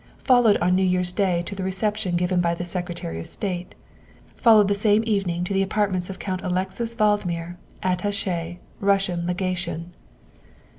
Followed on New Year's Day to the reception given by the Secretary of State; followed the same evening to the apartments of Count Alexis Valdmir, attache Russian Legation."